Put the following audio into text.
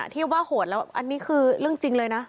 ที่ว่าโหดแล้วอันนี้คือเรื่องจริงเลยนะ